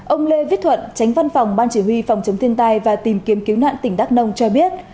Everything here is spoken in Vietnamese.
ông lê viết thuận tránh văn phòng ban chỉ huy phòng chống thiên tai và tìm kiếm cứu nạn tỉnh đắk nông cho biết